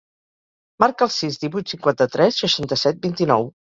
Marca el sis, divuit, cinquanta-tres, seixanta-set, vint-i-nou.